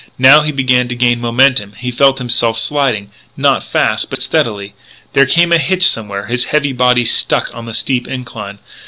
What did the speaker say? Now he began to gain momentum; he felt himself sliding, not fast but steadily. There came a hitch somewhere; his heavy body stuck on the steep incline.